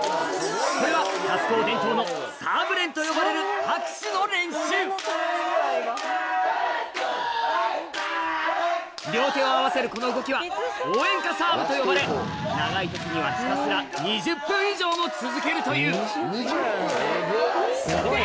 これは春高伝統のサーブ練と呼ばれる拍手の練習両手を合わせるこの動きは応援歌サーブと呼ばれ長い時にはひたすら２０分以上も続けるというファイト！